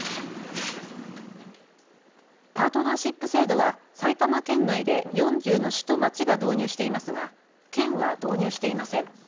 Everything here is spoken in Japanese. パートナーシップ制度は埼玉県内で４０の市と町が導入していますが県は導入していません。